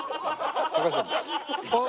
高橋さんも。